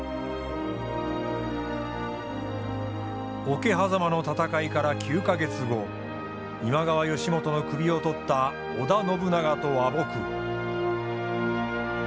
桶狭間の戦いから９か月後今川義元の首を取った織田信長と和睦。